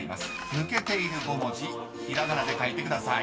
抜けている５文字ひらがなで書いてください］